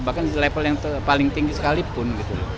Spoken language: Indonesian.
bahkan level yang paling tinggi sekalipun